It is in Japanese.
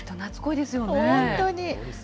本当に。